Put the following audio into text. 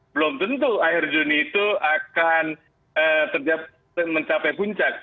belum tentu akhir juni itu akan mencapai puncak